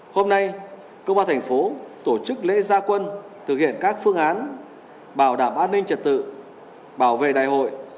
hôm nay công an thành phố tổ chức lễ gia quân thực hiện các phương án bảo đảm an ninh trật tự bảo vệ đại hội